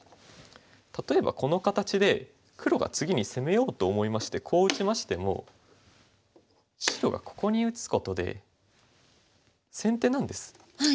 例えばこの形で黒が次に攻めようと思いましてこう打ちましても白がここに打つことで先手なんです。